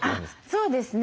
そうですね。